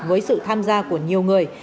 với sự tham gia của nhiều người